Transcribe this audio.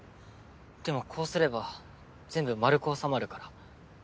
でもこうすれば全部丸く収まるから。